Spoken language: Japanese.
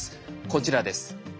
こちらです。